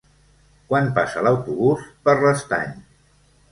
Quan passa l'autobús per l'Estany?